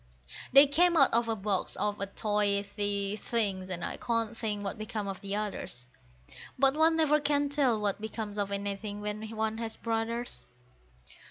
They came out of a box of toy tea things, and I can't think what became of the others; But one never can tell what becomes of anything when one has brothers.)